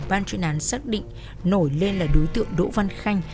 ban chuyên án xác định nổi lên là đối tượng đỗ văn khanh